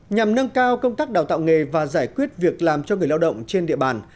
nhằm nâng cao công tác đào tạo nghề và giải quyết việc làm cho người lao động trên địa bàn